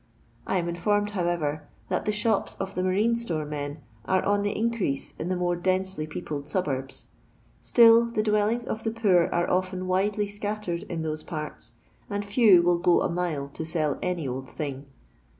I am in formed, however, that the shops of the marine storo men arc on the increase in the more densety peopled suburbs ; still the dwellings of the pear are often widely scattered in those parts, and few will go a mile to sell any old thing.